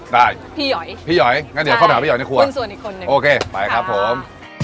ได้พี่หย่อยคุณส่วนอีกคนนึงพี่หย่อยงั้นเดี๋ยวเข้ามาหาพี่หย่อยในครัวโอเคไปครับผม